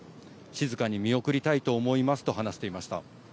静かに見送りたいと思いますと話していました。